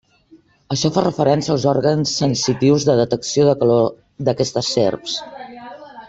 Això fa referència als òrgans sensitius de detecció de calor d'aquestes serps.